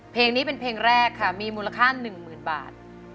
เพลงนี้เป็นเพลงแรกค่ะมีมูลค่า๑๐๐๐บาท